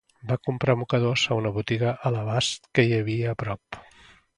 Van comprar mocadors a una botiga a l'abast que hi havia a prop.